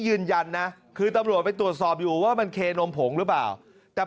ยืนยันนะคือตำรวจไปตรวจสอบอยู่ว่ามันเคนมผงหรือเปล่าแต่